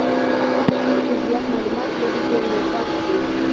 هغه څوک چې زیات معلومات لري ډېر موفق دي.